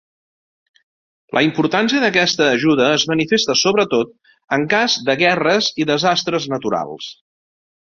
La importància d'aquesta ajuda és manifesta sobretot en cas de guerres i desastres naturals.